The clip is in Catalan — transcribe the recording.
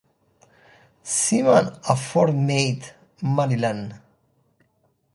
Seaman a Fort Meade (Maryland).